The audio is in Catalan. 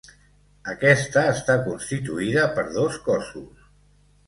Aquesta està constituïda per dos cossos.